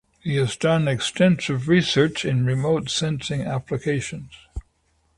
He has done extensive research in remote sensing applications.